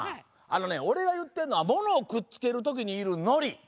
あのねおれがいってるのはものをくっつけるときにいる「のり」！